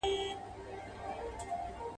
له هره زخمه به اواز راغی چې بل يمه زه